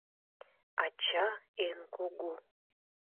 Ача эн кугу.